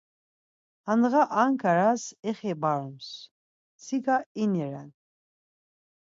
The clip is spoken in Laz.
Handğa Ankaras ixi barums, mtsika ini ren.